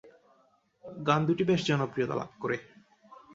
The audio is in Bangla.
গান দুটি বেশ জনপ্রিয়তা লাভ করে।